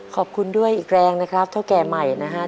ขอบคุณด้วยอีกแรงนะครับเท่าแก่ใหม่นะฮะ